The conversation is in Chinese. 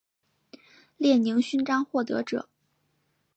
列宁勋章获得者。